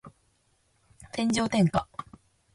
天上天下